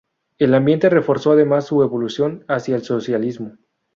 El ambiente reforzó además su evolución hacia el socialismo.